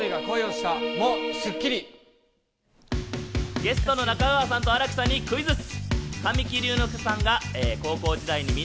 ゲストの中川さんと新木さんにクイズッス！